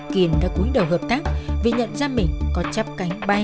kiên đã cuối đầu hợp tác vì nhận ra mình có chắp cánh bay